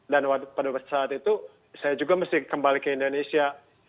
dan pada saat itu saya juga mesti kembali ke indonesia